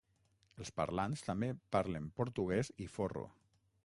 Els parlants també parlen portuguès i forro.